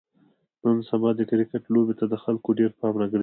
نن سبا د کرکټ لوبې ته د خلکو ډېر پام راگرځېدلی دی.